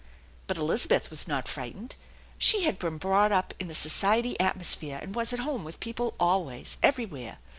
But Elizabeth was not frightened. She had been brought up in the society atmosphere, and was at home with people always, everywhere.